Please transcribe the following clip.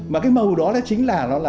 mà cái màu đó chính là